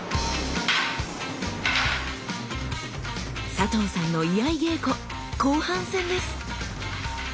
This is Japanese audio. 佐藤さんの居合稽古後半戦です。